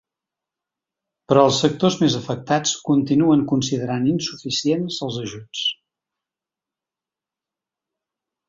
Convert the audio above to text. Però els sectors més afectats continuen considerant insuficients els ajuts.